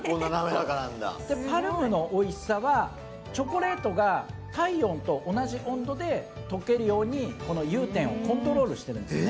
ＰＡＲＭのおいしさはちょコレーオが体温と同じ温度で溶けるよう融点をコントロールしているんですね。